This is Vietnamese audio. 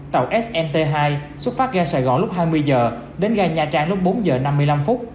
tàu snt hai xuất phát tại gai sài gòn lúc hai mươi h đến gai nha trang lúc bốn h năm mươi năm